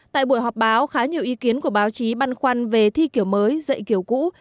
tại buổi họp báo khá nhiều ý kiến của báo chí băn khoăn về thi kiểu mới dạy kiểu cũ